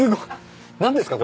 何ですか？